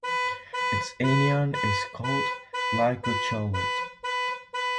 Its anion is called glycocholate.